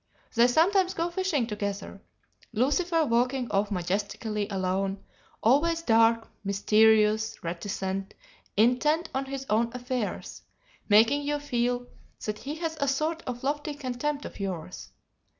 They sometimes go fishing together, Lucifer walking off majestically alone, always dark, mysterious, reticent, intent on his own affairs, making you feel that he has a sort of lofty contempt for yours.